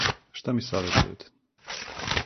Шта ми саветујете?